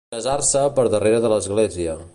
Casar-se per darrere de l'església.